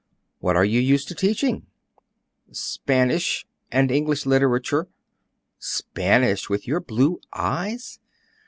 "What are you used to teaching?" "Spanish, and English literature." "Spanish with your blue eyes!"